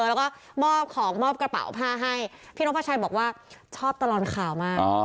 แล้วก็มอบของมอบกระเป๋าผ้าให้พี่นกพระชัยบอกว่าชอบตลอดข่าวมาก